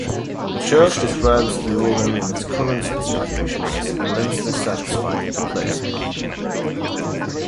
The church describes the organ in its current specification as "immensely satisfying to play".